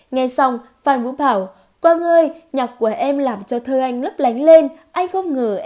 nghe xong phan vũ bảo